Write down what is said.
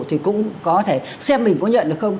thì cũng có thể xem mình có nhận được không